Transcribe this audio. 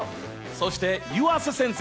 そして湯浅先生！